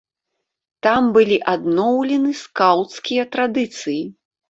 Там былі адноўлены скаўцкія традыцыі.